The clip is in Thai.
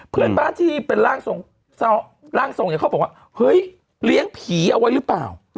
เพื่อนบ้านที่เป็นร่างทรงเนี่ยเขาบอกว่าเฮ้ยเลี้ยงผีเอาไว้หรือเปล่า